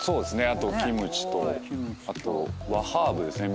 あとキムチとあと和ハーブですね